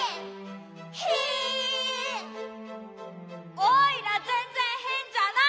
「おいらぜんぜんへんじゃない」